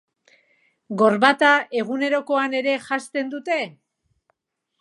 Gorbata egunerokoan ere janzten dute?